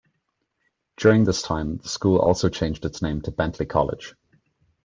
During this time, the school also changed its name to Bentley College.